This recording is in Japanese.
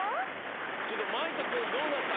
ちょっとまいとくんどうだった？